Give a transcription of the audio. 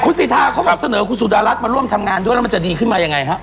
ครูสีทาเขามาเสนอครูสุรรัทธ์มาร่วมทำงานด้วยแล้วมันจะดีขึ้นมายังไงฮะ